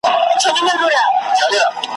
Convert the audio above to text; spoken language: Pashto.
چي ستنې سوي په سېلونو وي پردېسي مرغۍ `